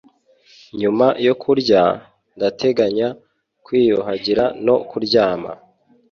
Nyuma yo kurya, ndateganya kwiyuhagira no kuryama.